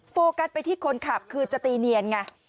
โฟกัสไปที่คนขับคือจะตีเนียนไง